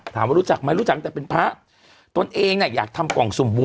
ถามว่ารู้จักไหมรู้จักตั้งแต่เป็นพระตนเองเนี่ยอยากทำกล่องสุมวุล